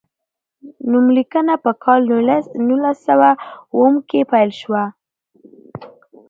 نوم لیکنه په کال نولس سوه اووم کې پیل شوه.